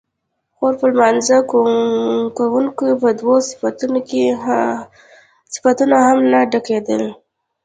خو پر لمانځه کوونکو به دوه صفونه هم نه ډکېدل.